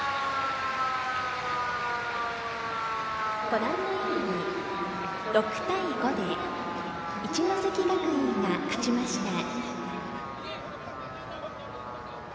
ご覧のように６対５で一関学院が勝ちました。